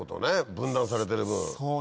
分断されてる分。